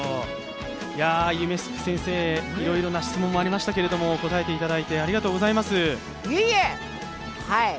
夢すく先生、いろいろな質問ありましたけど答えていただいてありがとうございます。